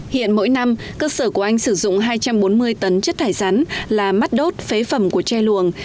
hiện mỗi năm cơ sở của anh sử dụng hai trăm bốn mươi tấn chất thải rắn là mắt đốt phế phẩm của tre luồng